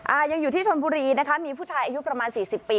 ยังอยู่ที่ชนบุรีนะคะมีผู้ชายอายุประมาณสี่สิบปี